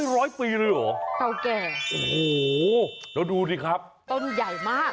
ร้อยปีเลยเหรอเก่าแก่โอ้โหแล้วดูสิครับต้นใหญ่มาก